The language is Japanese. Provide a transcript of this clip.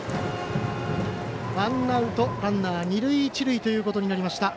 ワンアウトランナー、二塁一塁ということになりました。